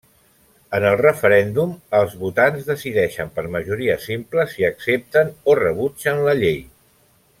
En el referèndum, els votants decideixen, per majoria simple si accepten o rebutgen la llei.